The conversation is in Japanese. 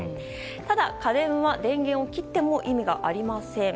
ただ、家電は電源を切っても意味がありません。